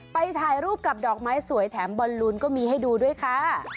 ไปถ่ายรูปกับดอกไม้สวยแถมบอลลูนก็มีให้ดูด้วยค่ะ